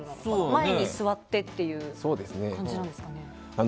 前に座ってっていう感じなんですかね。